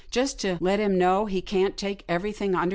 Just to let him know he can't take every thing under your bed."